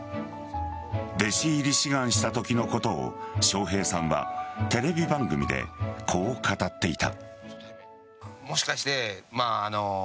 弟子入り志願したときのことを笑瓶さんはテレビ番組でこう語っていた。